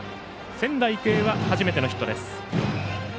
仙台育英は初めてのヒットです。